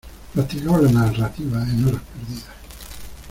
Practicaba la narrativa en horas perdidas.